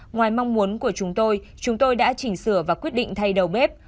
ngoài mong muốn của chúng tôi chúng tôi đã chỉnh sửa và quyết định thay đầu bếp